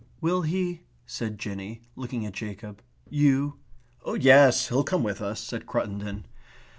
"Will he ..." said Jinny, looking at Jacob. "You ..." "Yes, he'll come with us," said Cruttendon.